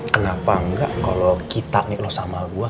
kenapa gak kalau kita nih lo sama gue